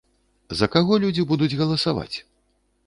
За каго людзі будуць галасаваць?